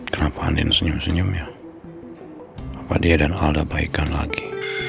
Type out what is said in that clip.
kenapa andien senyum senyum ya apa dia dan alda baikan lagi